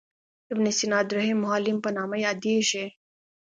ابن سینا درېم معلم په نامه یادیږي.